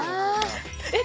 「えっ？